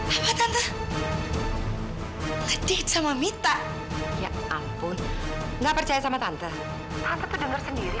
apa tante ngedit sama mita ya ampun nggak percaya sama tante tante denger sendiri